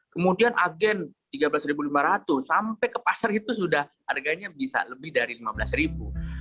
kemudian agen rp tiga belas lima ratus sampai ke pasar itu sudah harganya bisa lebih dari lima belas